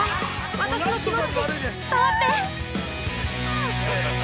私の気持ち伝わって！